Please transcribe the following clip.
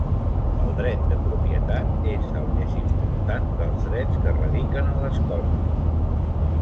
El Dret de propietat és el més important dels drets que radiquen en les coses.